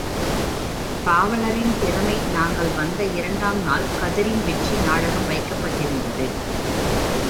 பாவலரின் திறமை நாங்கள் வந்த இரண்டாம் நாள் கதரின் வெற்றி நாடகம் வைக்கப்பட்டிருந்தது.